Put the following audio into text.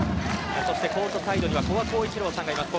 コートサイドには古賀幸一郎さんがいます。